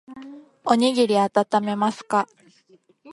おにぎりあたためますか